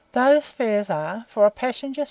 These fares are: for a passenger, 6d.